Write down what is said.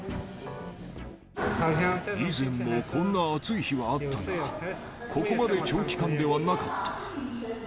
以前もこんな暑い日はあったが、ここまで長期間ではなかった。